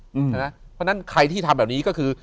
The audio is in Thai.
เพราะฉะนั้นใครที่ทำแบบนี้ก็คือ